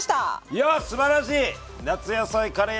いやっすばらしい！